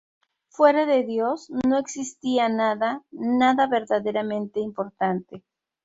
Fuera de Dios, no existía nada, nada verdaderamente importante.